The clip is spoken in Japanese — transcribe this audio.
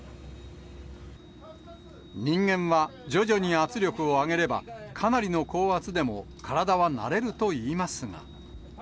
人間は徐々に圧力を上げれば、かなりの高圧でも体は慣れるといいますが。